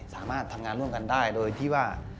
สามารถทำงานร่วมกันได้โดยที่ว่า